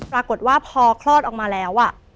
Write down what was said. ปรากฏว่าพอคลอดออกมาแล้ว